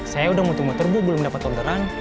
saya udah mau tunggu terbu belum dapat orderan